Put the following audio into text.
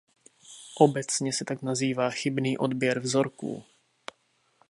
Obecně se tak nazývá chybný odběr vzorků.